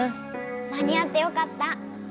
間に合ってよかった。